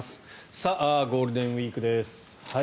さあ、ゴールデンウィークです。